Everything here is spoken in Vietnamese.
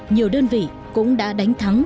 nhiều đơn vị cũng đã đánh thắng